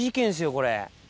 これ。